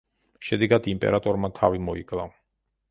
შედეგად იმპერატორმა თავი მოიკლა.